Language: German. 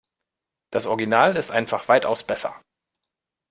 Das Original ist einfach weitaus besser.